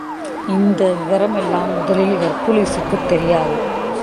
இந்த விவரமெல்லாம் முதலில் ஹெர்க்குலிஸுக்குத் தெரியாது.